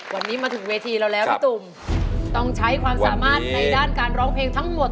วันนี้มาถึงเวทีเราแล้วพี่ตุ่มต้องใช้ความสามารถในด้านการร้องเพลงทั้งหมด